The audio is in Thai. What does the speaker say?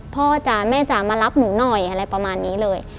จ๋าแม่จ๋ามารับหนูหน่อยอะไรประมาณนี้เลย